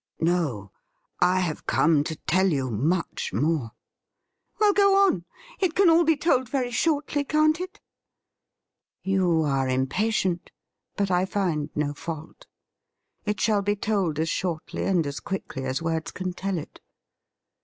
' No ; I have come to tell you much more.' ' Well, go on ; it can all be told very shortly, can't it .'" 'You are impatient, but I find no fault. It shall be told as shortly and as quickly as words can tell it.